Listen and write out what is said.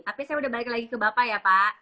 tapi saya udah balik lagi ke bapak ya pak